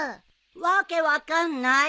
訳分かんない。